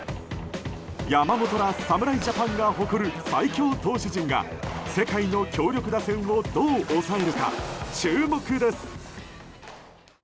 山本ら侍ジャパンが誇る最強投手陣が世界の強力打線をどう抑えるか注目です。